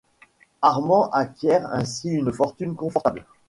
Armand acquiert ainsi une fortune confortable.